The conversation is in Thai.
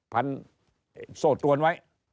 พันโซ่ตรวนไว้